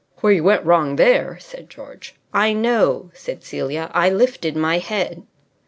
"Where you went wrong there " said George. "I know," said Celia. "I lifted my head."